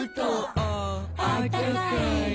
「あ」「あったかい！」